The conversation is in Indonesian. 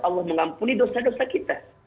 allah mengampuni dosa dosa kita